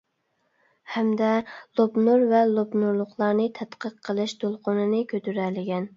ھەمدە لوپنۇر ۋە لوپنۇرلۇقلارنى تەتقىق قىلىش دولقۇنىنى كۆتۈرەلىگەن.